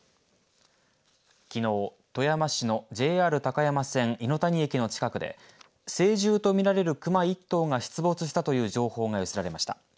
きのう富山市のＪＲ高山線猪谷駅の近くで成獣と見られる熊１頭が出没したという情報が寄せられました。